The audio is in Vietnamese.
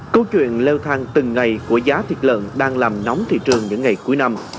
câu chuyện leo thang từng ngày của giá thịt lợn đang làm nóng thị trường những ngày cuối năm